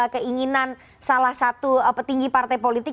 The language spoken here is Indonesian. keinginan salah satu petinggi partai politik